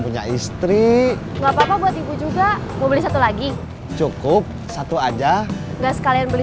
punya istri enggak apa apa buat ibu juga mau beli satu lagi cukup satu aja enggak sekalian beli